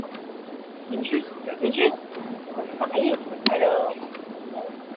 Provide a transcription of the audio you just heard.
C’est juste ! c’est juste ! nous sommes mariés, alors !…